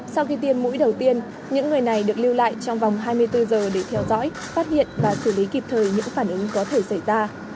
sau khi tiêm mũi đầu tiên những người này được lưu lại trong vòng hai mươi bốn giờ để theo dõi phát hiện và xử lý kịp thời những phản ứng có thể xảy ra